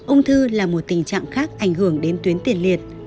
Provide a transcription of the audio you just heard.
ung thư là một tình trạng khác ảnh hưởng đến tuyến tiền liệt